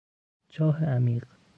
چاه عمیق